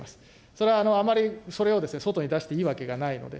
それはあまりそれを外に出していいわけではないので。